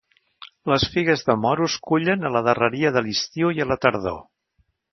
Les figues de moro es cullen a la darreria de l'estiu i a la tardor.